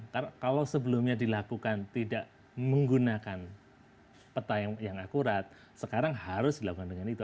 karena kalau sebelumnya dilakukan tidak menggunakan peta yang akurat sekarang harus dilakukan dengan itu